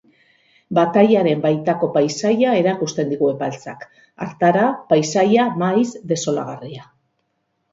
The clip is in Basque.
Batailaren baitako paisaia erakusten digu Epaltzak, hartara, paisaia maiz desolagarria.